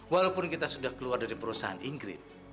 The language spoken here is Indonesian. walaupun kita sudah keluar dari perusahaan inggris